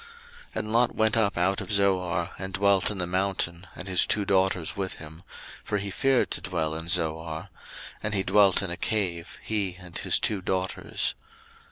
01:019:030 And Lot went up out of Zoar, and dwelt in the mountain, and his two daughters with him; for he feared to dwell in Zoar: and he dwelt in a cave, he and his two daughters.